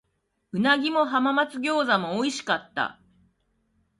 鰻も浜松餃子も美味しかった。